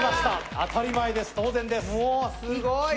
当たり前です、当然です。